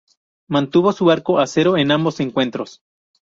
Mantuvo su arco a cero en ambos encuentros.